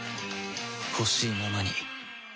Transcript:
ほしいままに